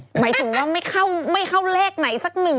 หมายถึงว่าไม่เข้าเลขไหนสักหนึ่ง